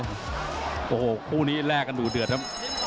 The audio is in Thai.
โอ้โหคู่นี้แลกกันดูเดือดครับ